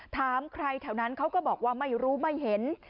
ถามใครแถวนั้นเขาก็บอกว่าไม่รู้ไม่เห็น